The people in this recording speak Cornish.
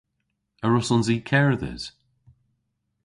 A wrussons i kerdhes?